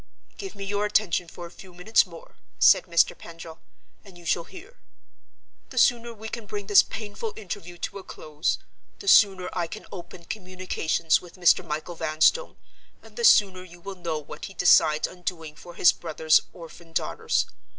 "Give me your attention for a few minutes more," said Mr. Pendril, "and you shall hear. The sooner we can bring this painful interview to a close, the sooner I can open communications with Mr. Michael Vanstone, and the sooner you will know what he decides on doing for his brother's orphan daughters.